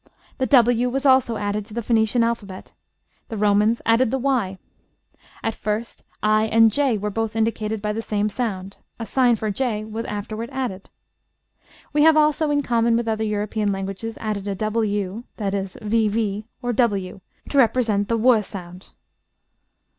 The w was also added to the Phoenician alphabet. The Romans added the y. At first i and j were both indicated by the same sound; a sign for j was afterward added. We have also, in common with other European languages, added a double U, that is, VV, or W, to represent the w sound.